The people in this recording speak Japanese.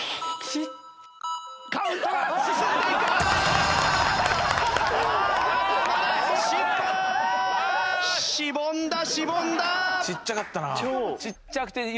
ちっちゃかったな。